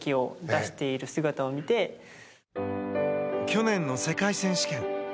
去年の世界選手権。